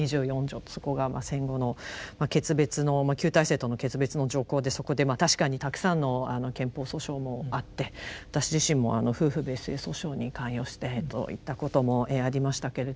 そこが戦後の決別の旧体制との決別の条項でそこでまあ確かにたくさんの憲法訴訟もあって私自身も夫婦別姓訴訟に関与していったこともありましたけれども。